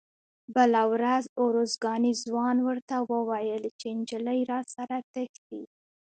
بله ورځ ارزګاني ځوان ورته وویل چې نجلۍ راسره تښتي.